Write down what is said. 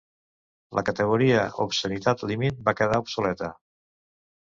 La categoria "obscenitat límit" va quedar obsoleta.